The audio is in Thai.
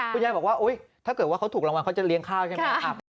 คุณยายบอกว่าถ้าเกิดว่าเขาถูกรางวัลเขาจะเลี้ยงข้าวใช่ไหม